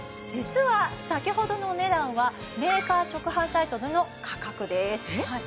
実は先ほどの値段はメーカー直販サイトでの価格です